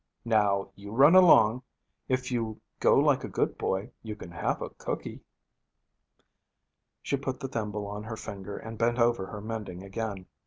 Now you run along. If you go like a good boy, you can have a cooky.' She put the thimble on her finger and bent over her mending again.